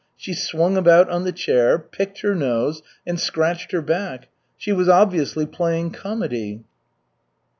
She swung about on the chair, picked her nose, and scratched her back. She was obviously playing comedy.